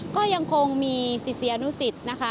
ก็ยังคงมีศิษยานุสิตนะคะ